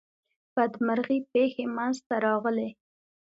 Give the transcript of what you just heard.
بدمرغي پیښی منځته راغلې.